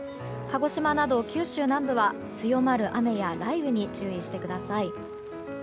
鹿児島など九州南部は強まる風や雨に注意してください。